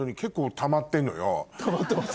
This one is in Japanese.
たまってます？